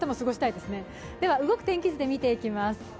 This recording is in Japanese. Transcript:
では動く天気図で見ていきます。